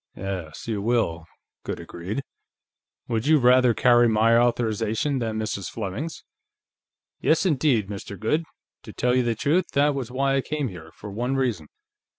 "Yes. You will," Goode agreed. "Would you rather carry my authorization than Mrs. Fleming's?" "Yes, indeed, Mr. Goode. To tell the truth, that was why I came here, for one reason.